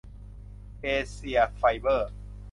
เอเซียไฟเบอร์